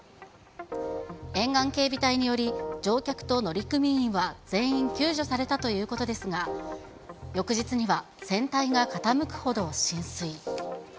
沿岸警備隊により、乗客と乗組員は全員救助されたということですが、翌日には、船体が傾くほど浸水。